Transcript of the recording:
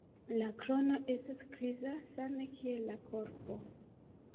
La krono estas griza same kiel la korpo.